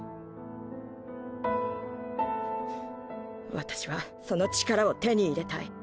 私はその力を手に入れたい。